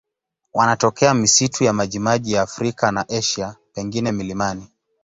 Wanatokea misitu ya majimaji ya Afrika na Asia, pengine milimani.